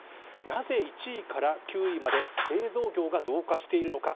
なぜ１位から９位まで製造業が増加しているのか。